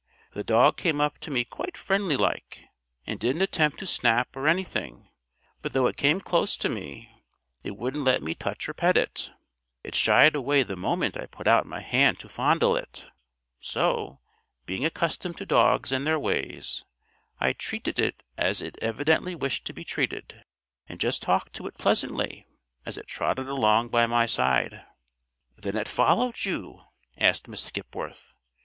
The dog came up to me quite friendly like, and didn't attempt to snap or anything; but though it came close to me, it wouldn't let me touch or pet it. It shied away the moment I put out my hand to fondle it. So being accustomed to dogs and their ways I treated it as it evidently wished to be treated, and just talked to it pleasantly as it trotted along by my side." [Illustration: "For my part, I believe it was one of the angels of God"] "Then it followed you?" asked Miss Skipworth.